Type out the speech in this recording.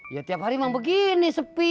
ya tiap hari memang begini sepi